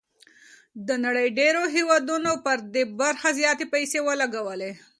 د نړۍ ډېرو هېوادونو پر دې برخه زياتې پيسې ولګولې.